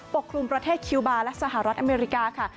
กลุ่มประเทศคิวบาร์และสหรัฐอเมริกาค่ะ